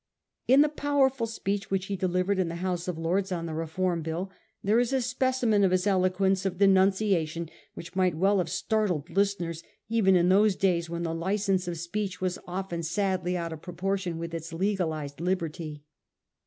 In the powerful speech which he delivered in the House of Lords on the Eeform Bill, there is a specimen of his eloquence of denunciation which might well have startled listeners even in those days when the licence of speech was often sadly out of proportion with its legalised liberty.